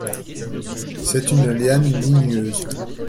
C'est une liane ligneuse.